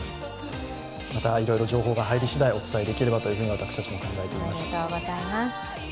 またいろいろ情報が入りしだい、お伝えできればと私たちも考えています。